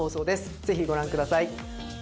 ぜひご覧ください。